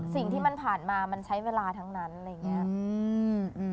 สิ่งที่มันผ่านมามันใช้เวลาทั้งนั้นอะไรอย่างเงี้ยอืม